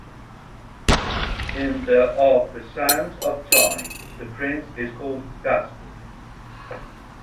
In the of "The Sands of Time", the prince is called Dastan.